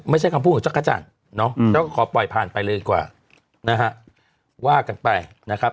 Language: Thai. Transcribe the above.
ไม่ใช่คำพูดของเจ้าข้าจันทร์เขาก็ขอปล่อยผ่านไปเลยกว่าว่ากันไปนะครับ